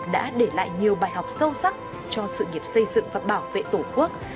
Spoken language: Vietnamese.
đã để lại nhiều bài học sâu sắc cho sự nghiệp xây dựng và bảo vệ tổ quốc